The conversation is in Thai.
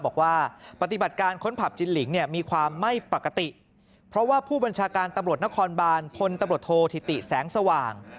บอกว่าปฏิบัติการค้นผับจินหลิงเนี่ยมีความไม่ปกติเพราะว่าผู้บัญชาการตำรวจนครบานพลตำรวจโทษธิติแสงสว่าง